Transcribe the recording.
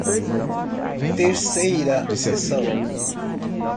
Terceira seção